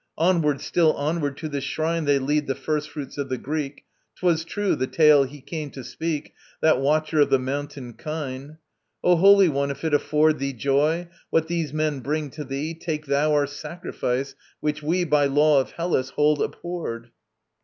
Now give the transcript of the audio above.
Onward, still onward, to this shrine They lead the first fruits of the Greek. 'Twas true, the tale he came to speak, That watcher of the mountain kine. O holy one, if it afford Thee joy, what these men bring to thee, Take thou their sacrifice, which we, By law of Hellas, hold abhorred.